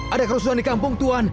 ada kerusuhan di kampung tuan